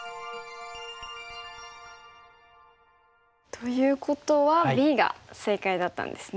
ということはＢが正解だったんですね。